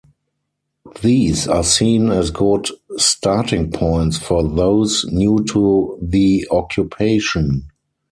These are seen as good starting points for those new to the occupation.